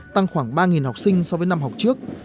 tăng khoảng ba học sinh so với năm học trước